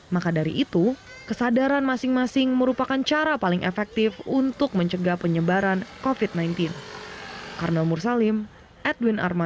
maka dari itu kesadaran masing masing merupakan cara paling efektif untuk mencegah penyebaran covid sembilan belas